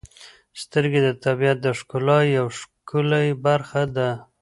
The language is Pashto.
• سترګې د طبیعت د ښکلا یو ښکلی برخه ده.